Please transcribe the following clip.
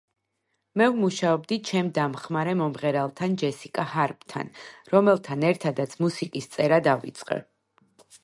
მე ვმუშაობდი ჩემ დამხმარე მომღერალთან ჯესიკა ჰარპთან, რომელთან ერთადაც მუსიკის წერა დავიწყე.